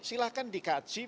silahkan dikaji berdasarkan